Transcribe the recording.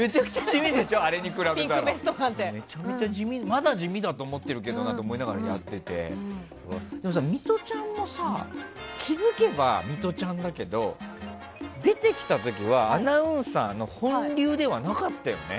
まだ地味だよなと思ってやってるけどでも、ミトちゃんも気づけばミトちゃんだけど出てきた時は、アナウンサーの本流ではなかったよね。